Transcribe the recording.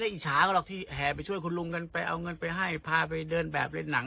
อิจฉาก็หรอกที่แห่ไปช่วยคุณลุงกันไปเอาเงินไปให้พาไปเดินแบบเล่นหนัง